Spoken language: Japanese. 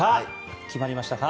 決まりましたか？